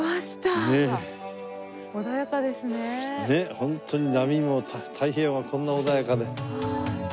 ホントに波も太平洋がこんな穏やかで。